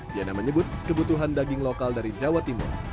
diana menyebut kebutuhan daging lokal dari jawa timur